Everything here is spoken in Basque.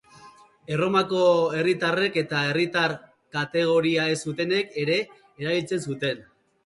Erromako herritarrek eta herritar-kategoria ez zutenek ere erabiltzen zuten.